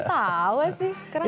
kenapa sih kok ketawa sih